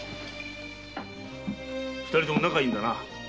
二人とも仲がいいんだな。